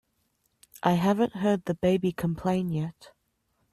I haven't heard the baby complain yet.